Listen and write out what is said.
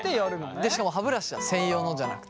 でしかも歯ブラシだ専用のじゃなくて。